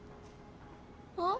あっ？